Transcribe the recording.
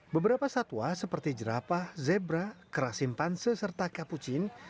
beberapa satwa seperti jerapah zebra kerasimpanse serta capuccine